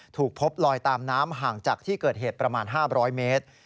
ถูกพบลอยตามน้ำห่างจากที่เกิดเหตุประมาณ๕๐๐เมตร